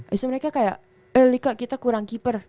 bisa mereka kayak eh lika kita kurang keeper